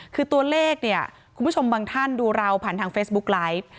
คือตัวเลขเนี่ยคุณผู้ชมบางท่านดูเราผ่านทางเฟซบุ๊กไลฟ์